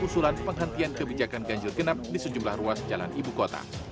usulan penghentian kebijakan ganjil genap di sejumlah ruas jalan ibu kota